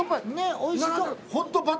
おいしそう。